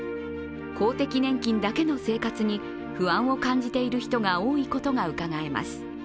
公的年金だけの生活に不安を感じている人が多いことがうかがえます。